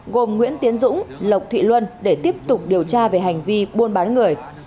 gồm nguyễn tiến dũng lộc thị luân để tiếp tục điều tra về hành vi buôn bán người